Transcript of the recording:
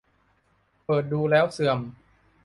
เปิดดูแล้วเสื่อม